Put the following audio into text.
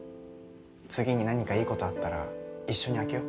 次に何かいいことあったら一緒に開けよ。